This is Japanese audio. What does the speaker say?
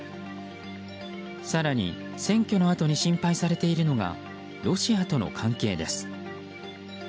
更に、選挙のあとに心配されているのがロシアとの関係です。